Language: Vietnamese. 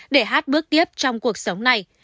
để h bước tiếp trong cuộc sống này